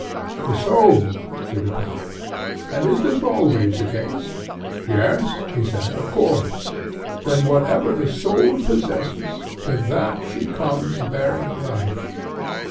The soul, he replied. And is this always the case? Yes, he said, of course. Then whatever the soul possesses, to that she comes bearing life?